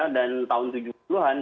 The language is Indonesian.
dan tahun tujuh puluh an